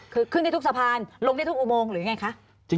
คือขึ้นที่ทุกสะพานลงที่ทุกอุโมงหรืออย่างไรคะ